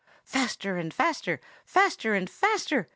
Faster and faster! faster and faster!